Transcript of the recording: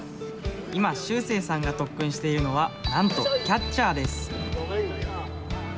今、秀星さんが特訓しているのはなんとキャッチャーです。